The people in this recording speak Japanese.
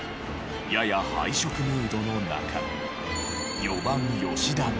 やや敗色ムードの中４番吉田が。